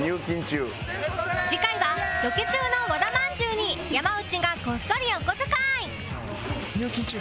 次回はロケ中の和田まんじゅうに山内がこっそりお小遣い入金中。